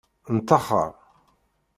Nettaxer.